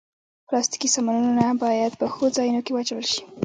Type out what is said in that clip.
پلاستيکي سامانونه باید په ښو ځایونو کې واچول شي.